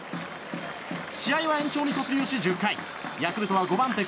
試合は延長に突入し１０回ヤクルトは５番手